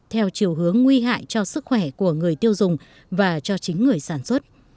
theo chiều hướng nguy hại cho sức khỏe của người tiêu dùng và cho chính người sản xuất